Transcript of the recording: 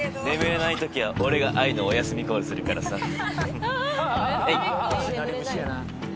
眠れないときは俺が愛のおやすみコールするからさ。